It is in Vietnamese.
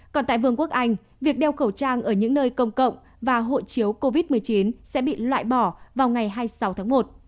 còn tại vương quốc anh việc đeo khẩu trang ở những nơi công cộng và hộ chiếu covid một mươi chín sẽ bị loại bỏ vào ngày hai mươi sáu tháng một